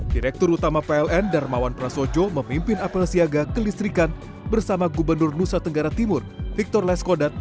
direktur utama pln darmawan prasojo memimpin apel siaga kelistrikan bersama gubernur nusa tenggara timur victor leskodat